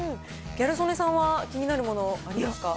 ギャル曽根さんは、気になるものありますか？